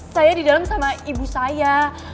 saya di dalam sama ibu saya